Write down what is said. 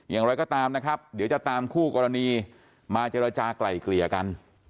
อย่างไรก็ตามนะครับเดี๋ยวจะตามคู่กรณีมาเจรจากลายเกลี่ยกัน